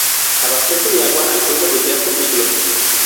Abastece de agua al pueblo desde hace siglos.